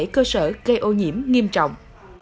ba mươi bảy cơ sở gây ô nhiễm nghiêm trọng